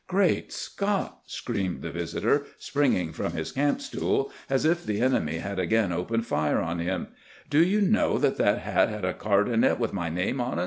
" Grreat Scott !" screamed tbe visitor, springing from bis camp stool as if tbe enemy bad again opened fire on bim ;" do you know tbat tbat bat bad a card in it witb my name on